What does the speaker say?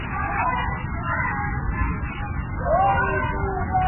იგი ქვეყნის ერთადერთი მსხვილი ქალაქია, რომელიც ზღვის სანაპიროსგან მოშორებით მდებარეობს.